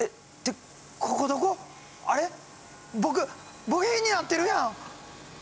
僕部品になってるやん！